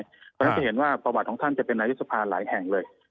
เพราะฉะนั้นจะเห็นว่าประวัติของท่านจะเป็นนายกสภาหลายแห่งเลย